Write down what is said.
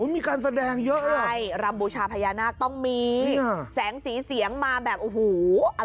มีการแสดงเยอะเลยใช่รำบูชาพญานาคต้องมีแสงสีเสียงมาแบบโอ้โห